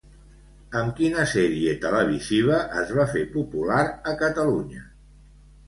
Amb quina sèrie televisiva es va fer popular a Catalunya?